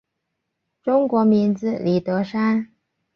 中国名字李德山。